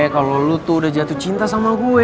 kalau lu tuh udah jatuh cinta sama gue